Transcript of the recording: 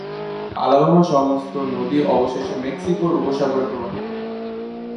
আলাবামার সমস্ত নদী অবশেষে মেক্সিকো উপসাগরে প্রবাহিত হয়।